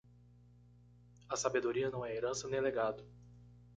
A sabedoria não é herança nem legado.